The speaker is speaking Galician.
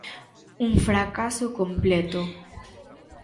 Un fracaso completo.